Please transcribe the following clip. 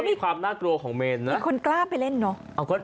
มีความน่ากลัวของเมนนะมีคนกล้าไปเล่นเนอะ